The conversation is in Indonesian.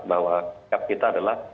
bahwa kita adalah